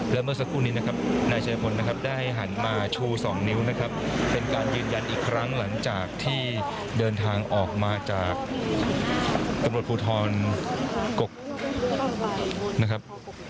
และเมื่อสักครู่นี้นะครับนายชายพลนะครับได้หันมาชู๒นิ้วนะครับเป็นการยืนยันอีกครั้งหลังจากที่เดินทางออกมาจากตำรวจภูทรกกนะครับ